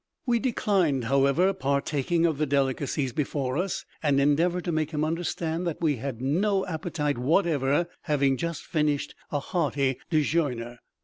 We declined, however, partaking of the delicacies before us, and endeavoured to make him understand that we had no appetite whatever, having just finished a hearty dejeuner.